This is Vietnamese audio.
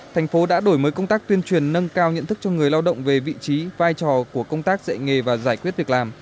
thành phố đã đổi mới công tác tuyên truyền nâng cao nhận thức cho người lao động về vị trí vai trò của công tác dạy nghề và giải quyết việc làm